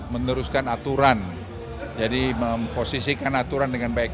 meneruskan aturan jadi memposisikan aturan dengan baik